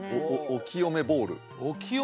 お清めボウル？